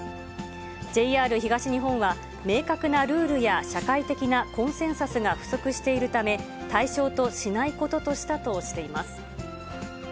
ＪＲ東日本は、明確なルールや社会的なコンセンサスが不足しているため、対象としないこととしたとしています。